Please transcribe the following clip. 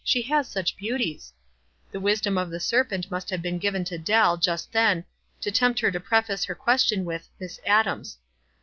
She has such beauties !" The wisdom of the serpent must have been given to Dell just then to tempt her to preface her ques Ion with "Miss Adams."